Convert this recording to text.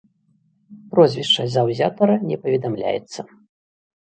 Прозвішча заўзятара не паведамляецца.